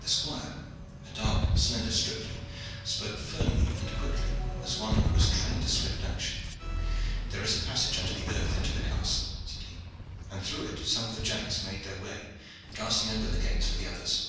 The squire, a dark, slender stripling, spoke firmly and quickly, as one who was trained to swift action. "There is a passage under the earth into the castle," said he, "and through it some of the Jacks made their way, casting open the gates for the others.